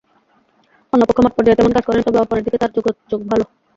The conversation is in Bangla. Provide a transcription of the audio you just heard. অন্য পক্ষ মাঠপর্যায়ে তেমন কাজ করেনি, তবে ওপরের দিকে তাদের যোগাযোগ ভালো।